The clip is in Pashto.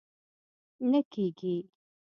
نه کېږي!